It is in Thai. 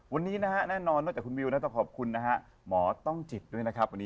วันนี้แน่นอนนอกจากคุณวิวต้องขอบคุณนะฮะหมอต้องจิตด้วยนะครับ